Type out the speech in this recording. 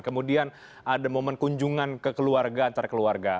kemudian ada momen kunjungan ke keluarga antara keluarga